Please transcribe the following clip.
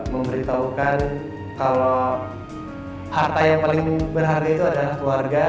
memberitahukan kalau harta yang paling berharga itu adalah keluarga